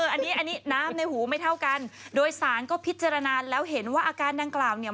อันนี้อันนี้น้ำในหูไม่เท่ากันโดยสารก็พิจารณาแล้วเห็นว่าอาการดังกล่าวเนี่ย